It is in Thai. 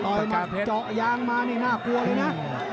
หมัดเจาะยางมานี่น่ากลัวเลยนะ